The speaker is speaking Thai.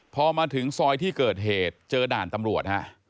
พอมาถึงซอยที่เกิดเหตุเจอด่านตำรวจฮะ